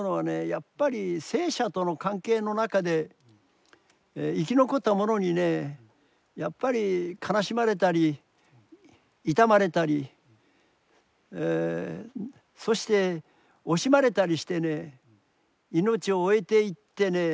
やっぱり生者との関係の中で生き残った者にねやっぱり悲しまれたり悼まれたりそして惜しまれたりしてね命を終えていってね